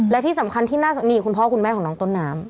และที่สำคัญคุณพ่อคุณแม่ของน้องต้นน้ำ